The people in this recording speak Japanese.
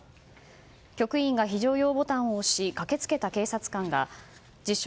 局員が非常用ボタンを押し駆け付けた警察官が自称